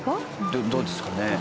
どどうですかね？